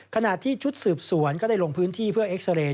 ขณะที่ชุดสืบสวนก็ได้ลงพื้นที่เพื่อเอ็กซาเรย์